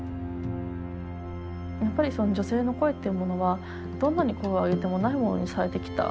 やっぱり女性の声っていうものはどんなに声を上げてもないものにされてきた。